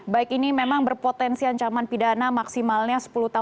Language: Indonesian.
baik ini memang berpotensi ancaman pidana maksimalnya sepuluh tahun penjara pak akbar